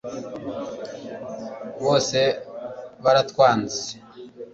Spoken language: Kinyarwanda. bose baratwenze